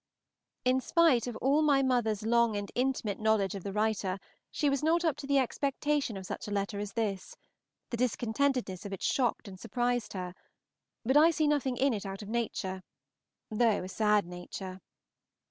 In spite of all my mother's long and intimate knowledge of the writer, she was not up to the expectation of such a letter as this; the discontentedness of it shocked and surprised her but I see nothing in it out of nature, though a sad nature.